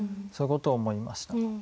そういうことを思いました。